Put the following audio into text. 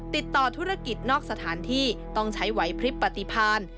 ติดต่อธุรกิจนอกสถานที่ต้องใช้ไหวพลิบปฏิพาณ